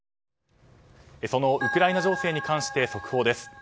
そのウクライナ情勢に関して速報です。